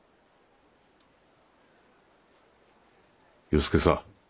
与助さん